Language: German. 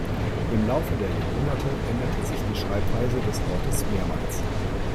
Im Laufe der Jahrhunderte änderte sich die Schreibweise des Ortes mehrmals.